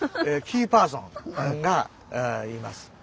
キーパーソンがいます。